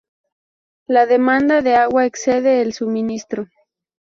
La demanda de agua excede el suministro.